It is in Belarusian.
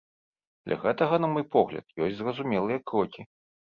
Для гэтага, на мой погляд, ёсць зразумелыя крокі.